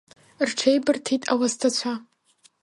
Рҽеибырҭеит ауасҭацәа.